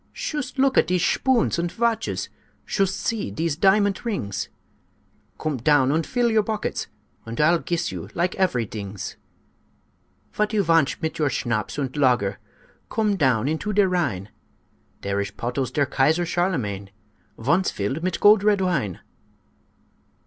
"Shoost look at dese shpoons und vatches! Shoost see dese diamant rings! Coom down und full your bockets, Und I'll giss you like avery dings. "Vot you vantsh mit your schnapps und lager? Coom down into der Rhine! Der ish pottles der Kaiser Charlemagne Vonce filled mit gold red wine!"